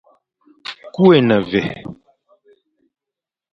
Ku é ne mvè.